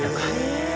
へえ！